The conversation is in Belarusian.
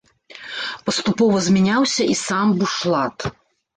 Паступова змяняўся і сам бушлат.